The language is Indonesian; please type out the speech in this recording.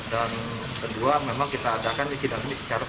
dan kedua memang kita adakan isi dan ini secara tertutup